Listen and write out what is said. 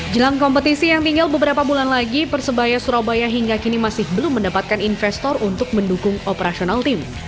jelang kompetisi yang tinggal beberapa bulan lagi persebaya surabaya hingga kini masih belum mendapatkan investor untuk mendukung operasional tim